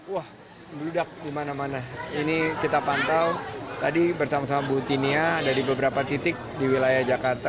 wah beludak di mana mana ini kita pantau tadi bersama sama bu tinia ada di beberapa titik di wilayah jakarta